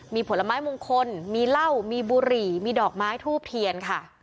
มีผลไม้มงคลมีเหล้ามีบุหรี่มีดอกไม้ทูบเทียนค่ะ